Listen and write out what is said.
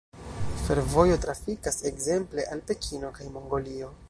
Fervojo trafikas ekzemple al Pekino kaj Mongolio.